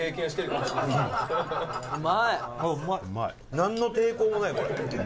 なんの抵抗もない、これ。